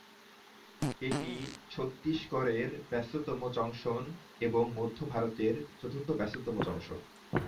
এটি ছত্তিশগড়ের ব্যস্ততম জংশন এবং মধ্য ভারতের চতুর্থ ব্যস্ততম জংশন।